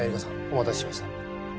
お待たせしました。